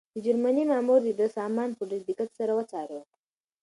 د جرمني مامور د ده سامان په ډېر دقت سره وڅاره.